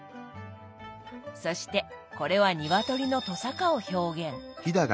そしてこれは鶏のとさかを表現。